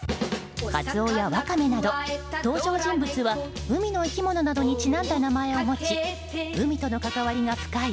カツオやワカメなど登場人物は海の生き物などにちなんだ名前を持ち海との関わりが深い